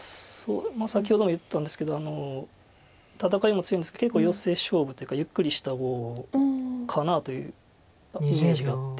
先ほども言ったんですけど戦いも強いんですが結構ヨセ勝負というかゆっくりした碁かなというイメージがあって。